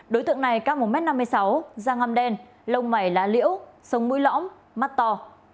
đối tượng này cao một m năm mươi sáu da ngâm đen lông mẩy lá liễu sông mũi lõm mắt to